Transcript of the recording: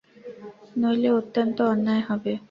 নইলে অত্যন্ত অন্যায় হবে।